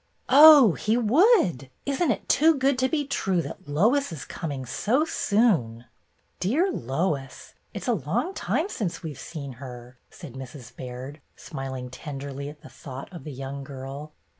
"Oh, he would! Isn't it too good to be true that Lois is coming so soon !" "Dear Lois; it 's a long time since we 've seen her," said Mrs. Baird, smiling tenderly at the thought of the young girl.